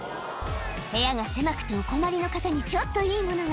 部屋が狭くてお困りの方にちょっといいものが。